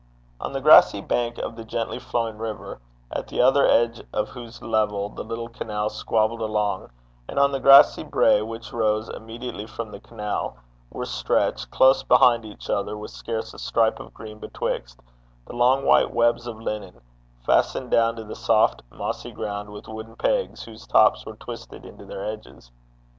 On the grassy bank of the gently flowing river, at the other edge of whose level the little canal squabbled along, and on the grassy brae which rose immediately from the canal, were stretched, close beside each other, with scarce a stripe of green betwixt, the long white webs of linen, fastened down to the soft mossy ground with wooden pegs, whose tops were twisted into their edges.